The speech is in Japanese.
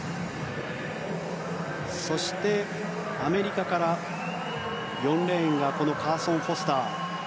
そして、アメリカから４レーンのカーソン・フォスター。